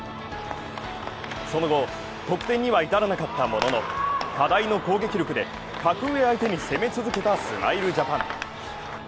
その後、得点には至らなかったものの、課題の攻撃力で格上相手に攻め続けたスマイルジャパン。